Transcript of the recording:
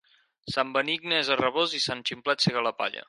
Sant Benigne és a Rabós i sant Ximplet sega la palla.